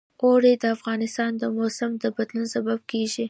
اوړي د افغانستان د موسم د بدلون سبب کېږي.